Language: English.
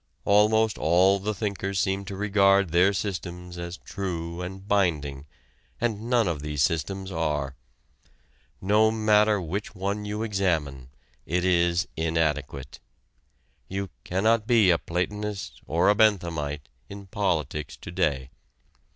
Almost all the thinkers seem to regard their systems as true and binding, and none of these systems are. No matter which one you examine, it is inadequate. You cannot be a Platonist or a Benthamite in politics to day.